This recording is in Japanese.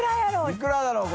いくらだろう？